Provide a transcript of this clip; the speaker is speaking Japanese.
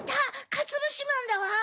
かつぶしまんだわ。